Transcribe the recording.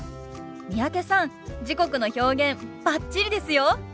三宅さん時刻の表現バッチリですよ。